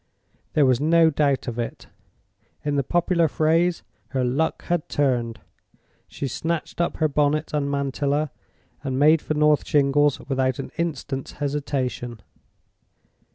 There was no doubt of it: in the popular phrase, "her luck had turned." She snatched up her bonnet and mantilla, and made for North Shingles without an instant's hesitation.